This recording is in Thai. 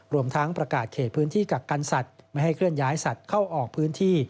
รวมทั้งประกาศเขตพื้นที่กักกันสัตว์ไม่ให้เคลื่อนย้ายสัตว์เข้าออกพื้นที่